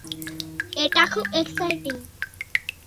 এটা খুব এক্সাইটিং!